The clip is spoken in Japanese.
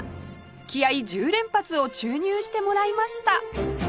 気合１０連発を注入してもらいました